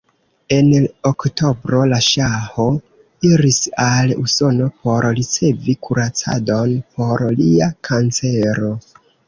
En oktobro la ŝaho iris al Usono por ricevi kuracadon por lia kancero.